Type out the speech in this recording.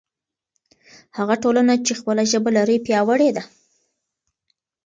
هغه ټولنه چې خپله ژبه لري پیاوړې ده.